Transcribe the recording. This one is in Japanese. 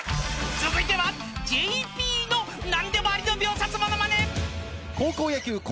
［続いてはＪＰの何でもありの秒殺ものまね］